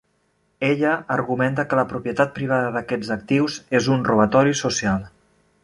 Ella argumenta que la propietat privada d'aquests actius és un robatori social.